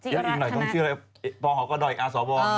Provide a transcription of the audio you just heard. ยังอีกหน่อยต้องเชื่ออะไรพ่อเขาก็ด่อยอาศวร์บอล